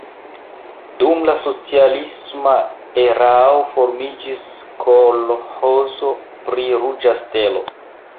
Dum la socialisma erao formiĝis kolĥozo pri Ruĝa Stelo.